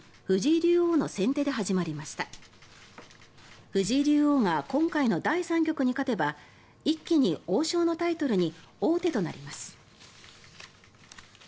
藤井竜王が今回の第３局に勝てば一気に王将のタイトルに王手となります。